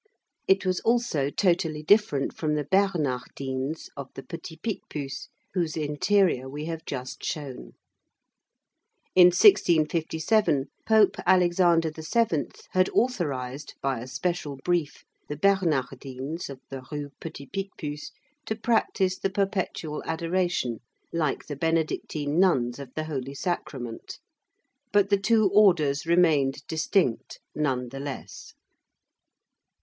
It was also totally different from the Bernardines of the Petit Picpus, whose interior we have just shown. In 1657, Pope Alexander VII. had authorized, by a special brief, the Bernardines of the Rue Petit Picpus, to practise the Perpetual Adoration like the Benedictine nuns of the Holy Sacrament. But the two orders remained distinct nonetheless.